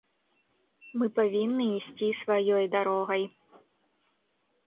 Мы павінны ісці сваёй дарогай.